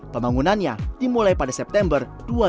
pembangunannya dimulai pada september dua ribu lima belas